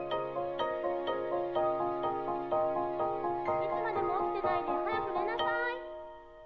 ・いつまでも起きてないで早く寝なさい。